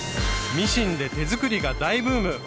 ミシンで手作りが大ブーム。